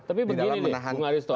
tapi begini nih bung aristo